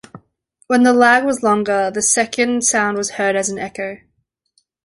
When the lag was longer, the second sound was heard as an echo.